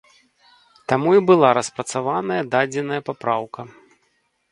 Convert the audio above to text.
Таму і была распрацаваная дадзеная папраўка.